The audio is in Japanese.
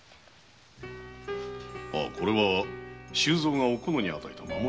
これは周蔵がおこのに与えた守り袋。